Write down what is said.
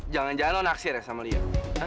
jangan jalan jalan akses sama lia